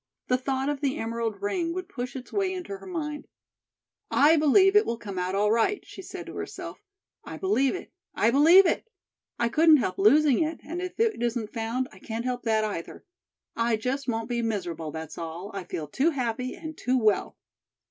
The thought of the emerald ring would push its way into her mind. "I believe it will come out all right," she said to herself. "I believe it I believe it! I couldn't help losing it, and if it isn't found, I can't help that, either. I just won't be miserable, that's all. I feel too happy and too well."